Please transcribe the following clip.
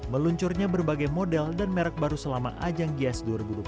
meluncurnya berbagai model dan merek baru selama ajang gias dua ribu dua puluh tiga